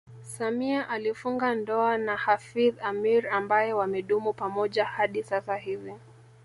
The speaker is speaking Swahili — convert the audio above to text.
Samia alifunga ndoa na Hafidh Ameir ambaye wamedumu pamoja hadi sasa hivi